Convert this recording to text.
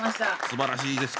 すばらしいです。